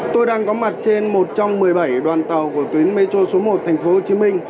tôi đang có mặt trên một trong một mươi bảy đoàn tàu của tuyến metro số một tp hcm